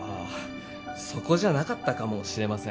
そこじゃなかったかもしれません